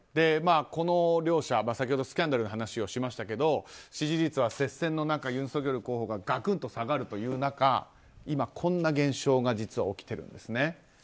この両者、先ほどスキャンダルの話をしましたが支持率は接戦の中ユン・ソギョル候補ががくんと下がるという中今、こんな現象が実は起きているんですね。